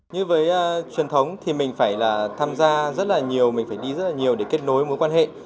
như với truyền thống thì mình phải là tham gia rất là nhiều mình phải đi rất là nhiều để kết nối mối quan hệ